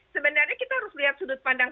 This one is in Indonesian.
sebenarnya kita harus lihat sudut pandang